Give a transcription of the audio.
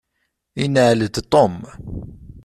Inεel-d Tom.